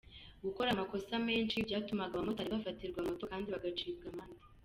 Gukora amakosa menshi byatumaga abamotari bafatirwa moto kandi bagacibwa amande.